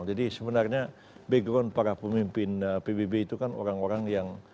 jadi sebenarnya background para pemimpin pbb itu kan orang orang yang